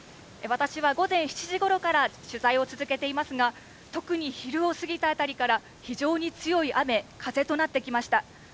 私は午前７時ごろから取材を続けていますが、特に昼を過ぎたあたりから、非常に強い雨、風となってきました。